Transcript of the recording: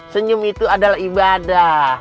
senyum itu adalah ibadah